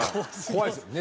怖いですよ